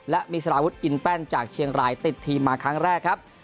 และมีสารวุฒิอินแป้นจากเชียงรายติดทีมมาครั้งแรกครับ